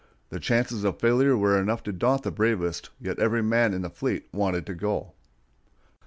The chances of failure were enough to daunt the bravest, yet every man in the fleet wanted to go.